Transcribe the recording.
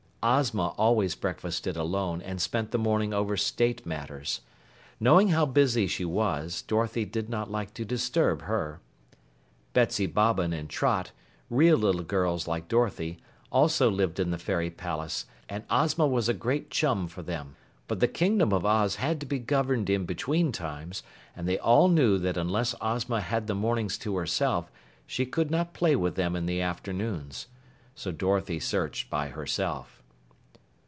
Ozma always breakfasted alone and spent the morning over state matters. Knowing how busy she was, Dorothy did not like to disturb her. Betsy Bobbin and Trot, real little girls like Dorothy, also lived in the Fairy palace, and Ozma was a great chum for them. But the Kingdom of Oz had to be governed in between times, and they all knew that unless Ozma had the mornings to herself, she could not play with them in the afternoons. So Dorothy searched by herself.